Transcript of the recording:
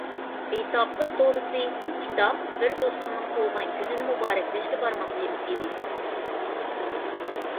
بىتاپلىق دورىسى— كىتاب بىر دوستۇمنىڭ تۇغۇلغان كۈنىنى مۇبارەكلەشكە بارماقچى ئىدىم.